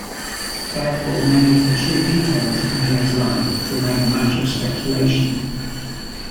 Therefore, many of the 'true details' of Mir's life remain a matter of speculation.